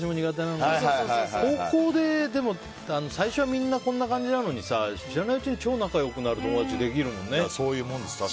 高校で、最初はみんなこんな感じなのに知らないうちに超仲良くなる友達できるもんね。